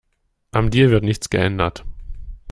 Am Deal wird nichts geändert.